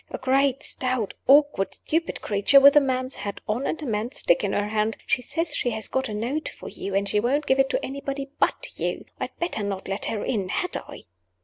"A great, stout, awkward, stupid creature, with a man's hat on and a man's stick in her hand. She says she has got a note for you, and she won't give it to anybody but you. I'd better not let her in had I?"